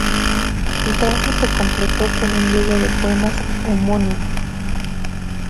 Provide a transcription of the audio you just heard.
El trabajo se completó con un libro de poemas homónimo.